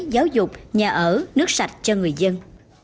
giáo dục nhà ở nước sạch cho người dân